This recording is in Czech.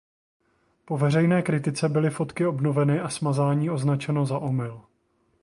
Po veřejné kritice byly fotky obnoveny a smazání označeno za omyl.